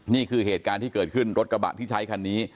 นี่คือเหตุการณ์ที่เกิดขึ้นรถกระบะที่ใช้คันนี้